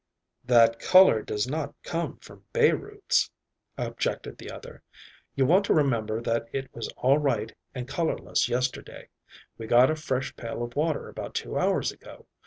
"That color does not come from bay roots," objected the other. "You want to remember that it was all right and colorless yesterday. We got a fresh pail of water about two hours ago.